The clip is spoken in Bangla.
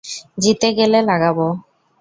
জিতে গেলে লাগাবো।